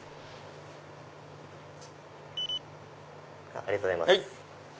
ありがとうございます。